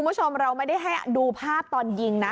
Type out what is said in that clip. คุณผู้ชมเราไม่ได้ให้ดูภาพตอนยิงนะ